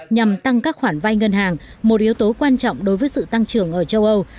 nhằm tăng các khoản vai ngân hàng một yếu tố quan trọng đối với sự tăng trưởng ở châu âu